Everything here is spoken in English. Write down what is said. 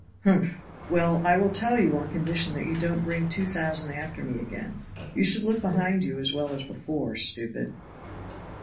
"Humph! Well, I will tell you on condition that you don't bring two thousand after me again. You should look behind you as well as before, stupid."